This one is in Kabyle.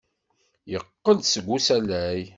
Yeqqel-d seg usalay.